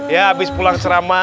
ya abis pulang ceramah